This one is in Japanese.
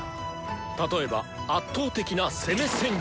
例えば圧倒的な攻め戦術！